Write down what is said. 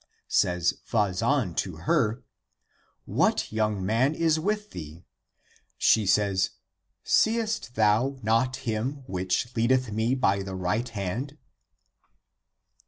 Says Vazan to her, " What young man is with thee? " She says, " Seest thou not him which leadeth me by the right hand?